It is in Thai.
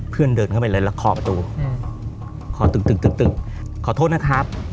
เพื่อนเดินเข้าไปเลยแล้วคอประตูอืมคอตึกตึกตึกตึกขอโทษนะครับ